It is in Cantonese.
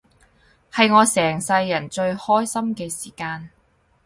係我成世人最開心嘅時間